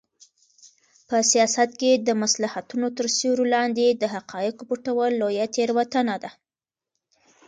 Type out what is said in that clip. په سیاست کې د مصلحتونو تر سیوري لاندې د حقایقو پټول لویه تېروتنه ده.